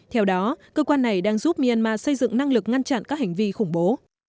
theo đó cơ quan này đang giúp myanmar xây dựng năng lực ngăn chặn các hành vi khủng bố